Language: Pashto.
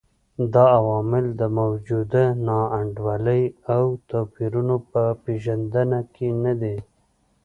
دا عوامل د موجوده نا انډولۍ او توپیرونو په پېژندنه کې نه دي.